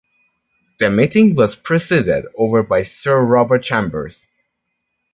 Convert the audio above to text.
The meeting was presided over by Sir Robert Chambers.